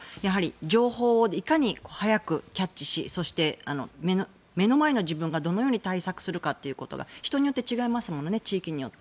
いかに情報を早くキャッチし、目の前の自分がどのように対策するかが人によって違いますものね地域によって。